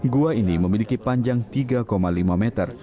gua ini memiliki panjang tiga lima meter dengan lebar satu lima meter